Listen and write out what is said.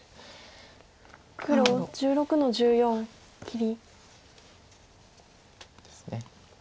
黒１６の十四切り。